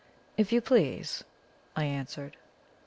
"If you please," I answered.